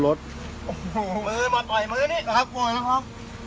กลับมาเถอะครับ